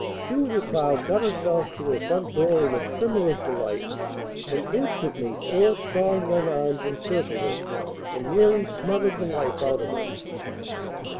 Julia Cloud got herself to her front door in a tremor of delight, and instantly four strong young arms encircled her, and nearly smothered the life out of her.